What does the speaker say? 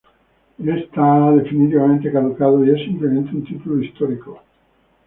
Está definitivamente caducado y es simplemente un título histórico.